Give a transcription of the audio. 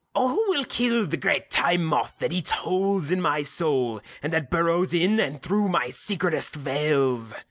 (O who will kill the great Time Moth that eats holes in my soul and that burrows in and through my secretest veils!)